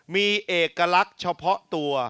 มีเอกลักษณ์เฉพาะตัว